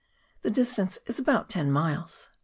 The distance is about ten miles.